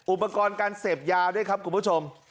อุปกรณ์การเสพยาด้วยครับคุณผู้ชม